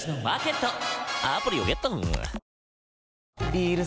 ビール